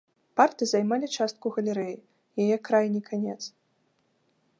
Парты займалі частку галерэі, яе крайні канец.